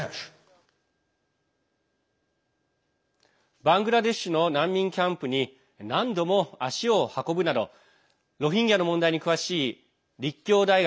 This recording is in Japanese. バングラデシュの難民キャンプに何度も足を運ぶなどロヒンギャの問題に詳しい立教大学